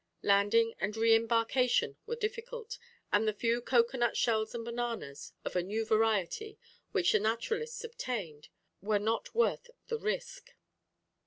Landing and re embarkation were difficult, and the few cocoa nut shells and bananas, of a new variety, which the naturalists obtained, were not worth the risk.